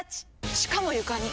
しかも床に超！